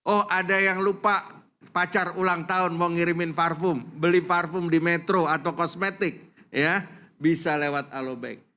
oh ada yang lupa pacar ulang tahun mau ngirimin parfum beli parfum di metro atau kosmetik ya bisa lewat alobank